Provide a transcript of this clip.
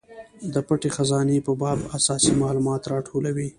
د پټې خزانې په باب اساسي مالومات راټولوي.